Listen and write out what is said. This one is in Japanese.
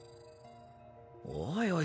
おいおい